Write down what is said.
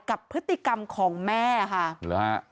กับพฤติกรรมของแม่ค่ะ